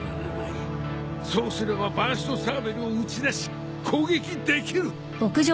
そうすればバーストサーベルを撃ちだし攻撃できる。